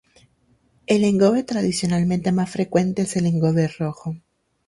El engobe tradicionalmente más frecuente es el engobe rojo.